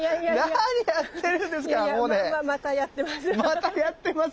またやってます！